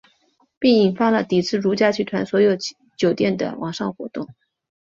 并引发了抵制如家集团所有酒店的网上活动。